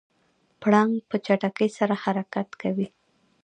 پړانګ په چټکۍ سره حرکت کوي.